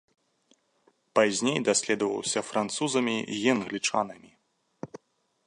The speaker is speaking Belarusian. Пазней даследаваўся французамі і англічанамі.